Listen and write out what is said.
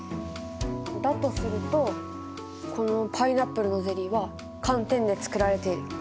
だとするとこのパイナップルのゼリーは寒天で作られている。